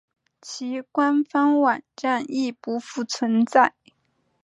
其官方网站亦不复存在。